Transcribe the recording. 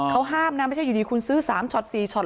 เขาห้ามนะไม่ใช่อยู่ดีคุณซื้อ๓ช็อต๔ช็อต